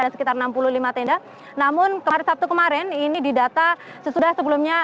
ada sekitar enam puluh lima tenda namun kemarin sabtu kemarin ini didata sesudah sebelumnya